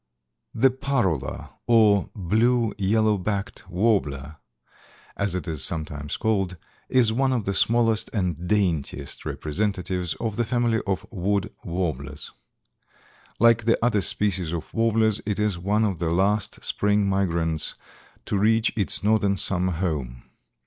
The Parula or Blue Yellow backed Warbler, as it is sometimes called, is one of the smallest and daintiest representatives of the family of wood warblers. Like the other species of warblers it is one of the last spring migrants to reach its Northern summer home.